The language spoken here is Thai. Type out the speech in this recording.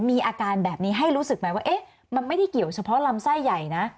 มีอาการแบบนี้ให้รู้สึกไหมว่าเอ๊ะมันไม่ได้เกี่ยวเฉพาะลำไส้ใหญ่นะ